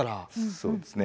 そうですね。